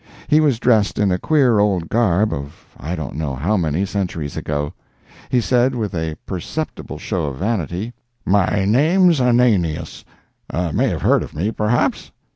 He was dressed in a queer old garb of I don't know how many centuries ago. He said, with a perceptible show of vanity: "My name's Ananias—may have heard of me, perhaps?"